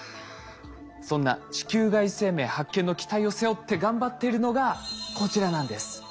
そんな地球外生命発見の期待を背負って頑張っているのがこちらなんです。